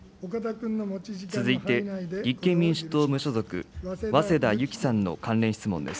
続いて立憲民主党・無所属、早稲田ゆきさんの関連質問です。